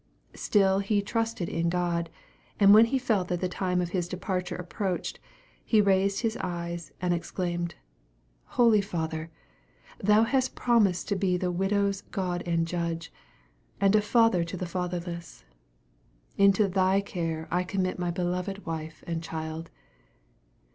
Still he trusted in God; and when he felt that the time of his departure approached, he raised his eyes, and exclaimed, "Holy Father! Thou hast promised to be the widow's God and judge, and a Father to the fatherless; into Thy care I commit my beloved wife and child.